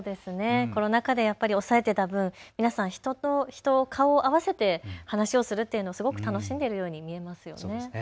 コロナ禍でやっぱり抑えていた分、皆さん人と人を顔を合わせて話をするっていうのをすごく楽しんでるように見えますよね。